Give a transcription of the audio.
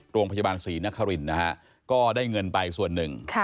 โรงพยาบาลศรีนครินนะฮะก็ได้เงินไปส่วนหนึ่ง